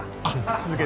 続けて。